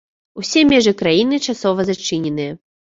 Усе межы краіны часова зачыненыя.